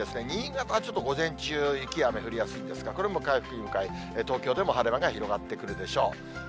新潟はちょっと午前中、雪や雨、降りやすいんですが、これも回復に向かい、東京でも晴れ間が広がってくるでしょう。